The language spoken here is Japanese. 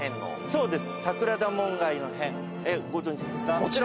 そうです。